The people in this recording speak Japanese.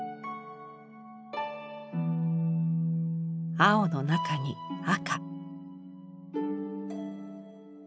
青の中に赤。